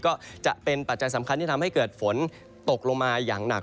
ก็จะเป็นปัจจัยสำคัญที่ทำให้เกิดฝนตกลงมาอย่างหนัก